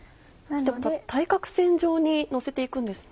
対角線上にのせて行くんですね。